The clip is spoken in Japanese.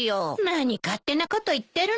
何勝手なこと言ってるのよ。